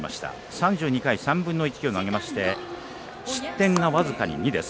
３２回３分の１を投げまして失点が僅かに２です。